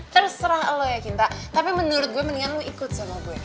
terserah allah ya cinta tapi menurut gue mendingan lu ikut sama gue